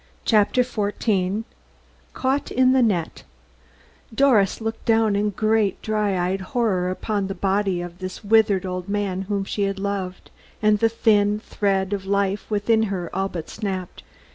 CHAPTER XIV CAUGHT IN THE NET Doris looked down in great, dry eyed horror upon the body of this withered old man whom she had loved, and the thin thread of life within her all but snapped.